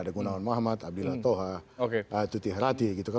ada gunawan muhammad abdillah toha tuti harati gitu kan